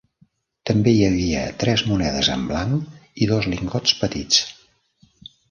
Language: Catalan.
També hi havia tres monedes en blanc i dos lingots petits.